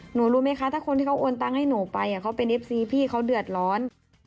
รู้ไหมคะถ้าคนที่เขาโอนตังค์ให้หนูไปเขาเป็นเอฟซีพี่เขาเดือดร้อน